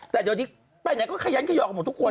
แต่ตอนนี้ไปไหนก็ขยันขยอกหมดทุกคน